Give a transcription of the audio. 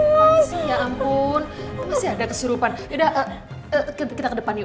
susah sih ya ampun masih ada kesurupan yaudah kita ke depan yuk